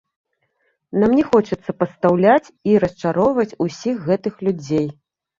Нам не хочацца падстаўляць і расчароўваць ўсіх гэтых людзей.